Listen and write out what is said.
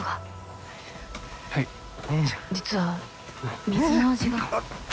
実は水の味が。